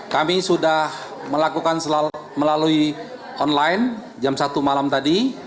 kami sudah melakukan melalui online jam satu malam tadi